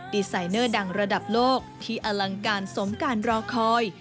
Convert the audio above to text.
ดีไซเนอร์ดังระดับโลกที่อลังการสมการรอคอย